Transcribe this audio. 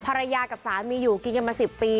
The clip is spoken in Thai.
ภรรยากับสามีอยู่กินกันมา๑๐ปี